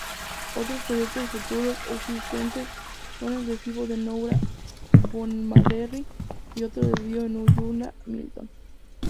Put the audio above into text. Otros proyectos futuros existentes son el desvío de Nowra-Bomaderry y otro desvío en Ulladulla-Milton.